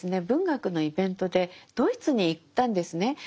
文学のイベントでドイツに行ったんですね。